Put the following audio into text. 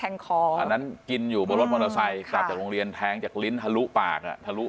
อันนั้นกินอยู่บนรถมอเตอร์ไซค์จากโรงเรียนแท้งจากลิ้นทะลุปาก